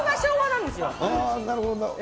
なるほど。